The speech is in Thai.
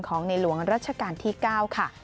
ในหลวงรัชกาลที่๙ค่ะ